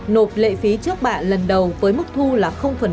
nộp lệ phí trước bạ lần đầu với mức thu là